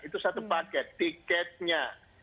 itu satu paket tiketnya